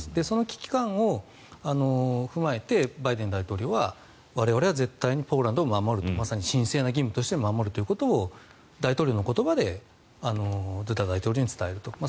その危機感を踏まえてバイデン大統領は我々は絶対にポーランドを守るとまさに神聖な義務として守るということを大統領の言葉でドゥダ大統領に伝えると。